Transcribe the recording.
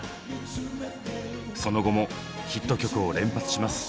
その後もヒット曲を連発します。